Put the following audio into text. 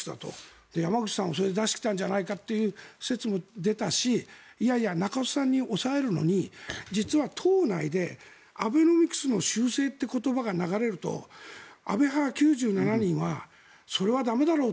それで山口さんを出してきたんじゃないかという説も出たしいやいや中曽さんを抑えるのに実は党内でアベノミクスの修正という言葉が流れると安倍派９７人がそれは駄目だろうと。